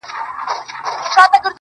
د دوبي ټکنده غرمې د ژمي سوړ سهار مي.